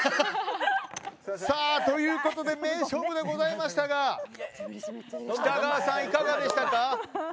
ということで名勝負でございましたが北川さんいかがでしたか。